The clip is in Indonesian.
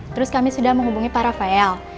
terus kami sudah menghubungi pak rafael